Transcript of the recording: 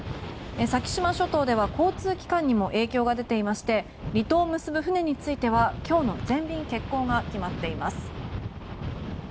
先島諸島では交通機関にも影響が出ていまして離島を結ぶ船については今日の全便欠航が決まっています。